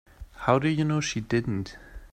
How do you know she didn't?